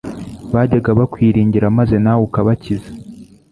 bajyaga bakwiringira maze nawe ukabakiza